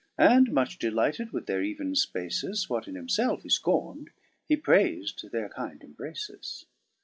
And much delighted with their even fpaces, What in himfelfe he fcorn'd, hee prais'd their kind imbraces.